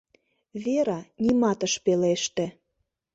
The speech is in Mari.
Вера нимат ыш пелеште.